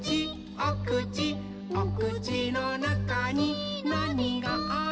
おくちおくちのなかになにがある？」